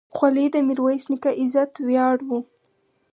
خولۍ د میرویس نیکه عزت ویاړ و.